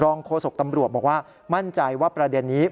โฆษกตำรวจบอกว่ามั่นใจว่าประเด็นนี้